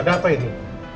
ada apa ini